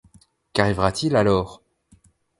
Qu’arrivera-t-il alors ?